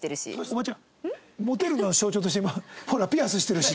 モテるの象徴として今「ほらピアスしてるし」